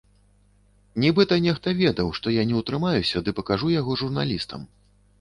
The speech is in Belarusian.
Нібыта нехта ведаў, што я не ўтрымаюся ды пакажу яго журналістам.